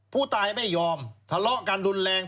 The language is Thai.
ผู้ตายไม่ยอมทะเลาะกันรุนแรง